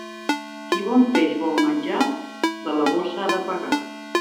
Qui bon peix vol menjar, de la bossa ha de pagar.